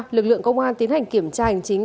lực lượng công an tiến hành kiểm tra hành chính